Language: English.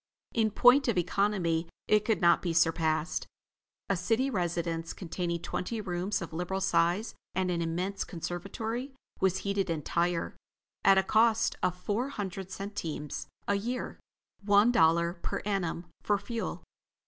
In point of economy it could not be surpassed. A city residence, containing twenty rooms of liberal size and an immense conservatory, was heated entire, at a cost of four hundred centimes a year. One dollar per annum for fuel.